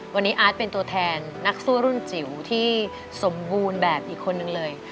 วันนี้อาร์ตเป็นตัวแทนนักสู้รุ่นจิ๋วที่สมบูรณ์แบบอีกคนนึงเลย